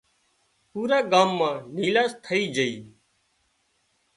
پُورا ڳام مان نيلاش ٿئي جھئي